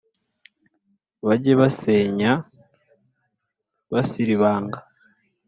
bajye basenya basiribange